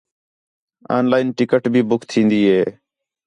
آن لائن ٹکٹ بھی بُک تھین٘دی ہے